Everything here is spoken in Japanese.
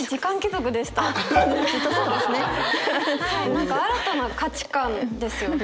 何か新たな価値観ですよね。